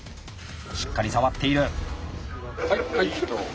しっかり触っている。